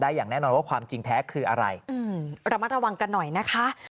อืมเรามาระวังกันหน่อยนะคะ